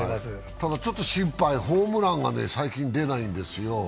ただちょっと心配、ホームランが最近出ないんですよ。